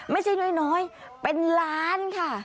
ไม่ใช่น้อยเป็นล้านค่ะ